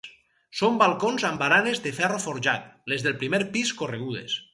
Són balcons amb baranes de ferro forjat, les del primer pis corregudes.